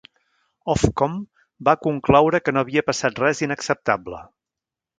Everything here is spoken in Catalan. Ofcom va concloure que no havia passat res inacceptable.